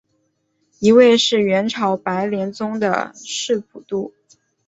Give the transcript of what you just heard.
一位是元朝白莲宗的释普度。